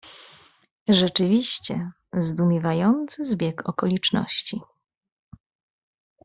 "Rzeczywiście, zdumiewający zbieg okoliczności!"